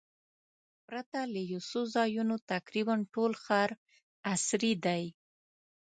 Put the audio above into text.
پرته له یو څو ځایونو تقریباً ټول ښار عصري دی.